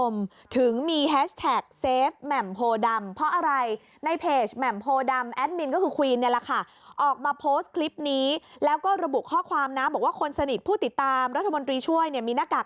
มีไมค์เซอร์เลยนะครับเอามาถ่ายรถเลยนะ